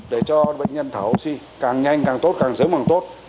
để cho bệnh nhân thở oxy càng nhanh càng tốt càng sớm càng tốt